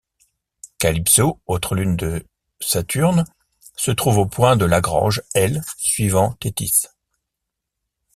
Calypso, autre lune de Saturne, se trouve au point de Lagrange L suivant Téthys.